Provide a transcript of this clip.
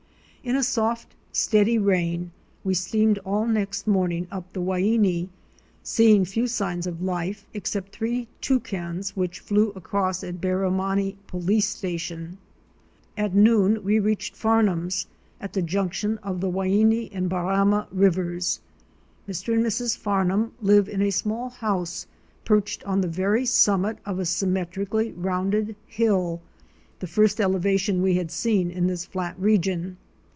In a soft steady rain we steamed all next morning up the Waini, seeing few signs of life, except three Toucans which flew across at Barrimani Police Station. At noon we reached Farnum's at the junction of the Waini and Barama rivers. Mr. and Mrs. Farnum live in a small house perched on the very summit of a symmetrically rounded hill — the first elevation we had seen in this flat region.